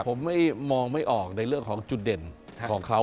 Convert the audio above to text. ผมไม่มองไม่ออกในเรื่องของจุดเด่นของเขา